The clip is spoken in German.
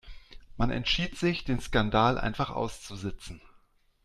Man entschied sich, den Skandal einfach auszusitzen.